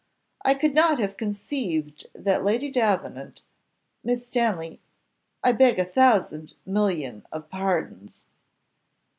I could not have conceived that Lady Davenant Miss Stanley, I beg a thousand million of pardons."